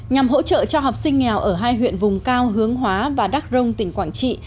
nhằm hỗ trợ cho học sinh nghèo ở hai huyện vùng cao hướng hóa và đắc rông tỉnh quảng trị